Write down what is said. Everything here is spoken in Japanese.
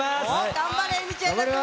頑張れ、道枝君。